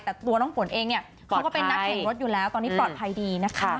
แต่ตัวน้องฝนเองเนี่ยเขาก็เป็นนักแข่งรถอยู่แล้วตอนนี้ปลอดภัยดีนะคะ